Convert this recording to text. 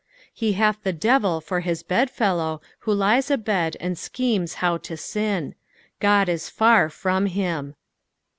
He hath the devil for his bed fellow who lies abed and schemes how to sin. Ood is far from him.